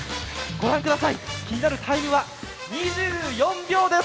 御覧ください、気になるタイムは２４秒です。